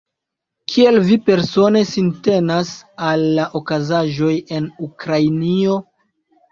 Kiel vi persone sintenas al la okazaĵoj en Ukrainio?